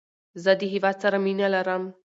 زه د هیواد سره مینه لرم.